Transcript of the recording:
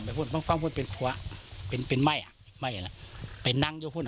ไปพูดฟังฟังพูดเป็นขวะเป็นเป็นไหม้ไหม้อะไปนั่งเยอะหุ้น